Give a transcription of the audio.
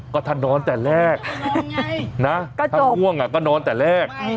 ก็ท่านนอนแต่แรกถ้าห้วงก็นอนแต่แรก